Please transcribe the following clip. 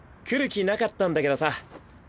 来る気なかったんだけどさ。